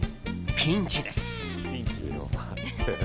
ピンチです。